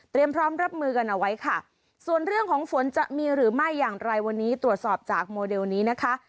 พร้อมรับมือกันเอาไว้ค่ะส่วนเรื่องของฝนจะมีหรือไม่อย่างไรวันนี้ตรวจสอบจากโมเดลนี้นะคะ